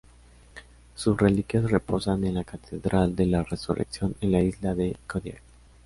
Sus reliquias reposan en la Catedral de la Resurrección en la isla de Kodiak.